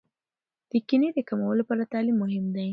د کینې د کمولو لپاره تعلیم مهم دی.